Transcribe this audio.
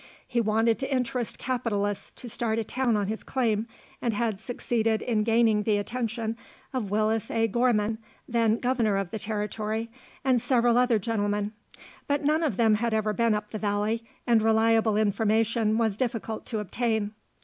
He wanted to interest capitalists to start a town on his claim, and had succeeded in gaining the attention of Willis A. Gorman, then governor of the territory, and several other gentlemen, but none of them had ever been up the valley, and reliable information was difficult to obtain.